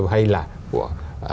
hay là của